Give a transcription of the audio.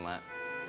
maka udah kering juga